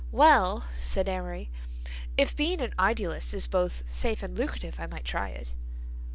"Well," said Amory, "if being an idealist is both safe and lucrative, I might try it."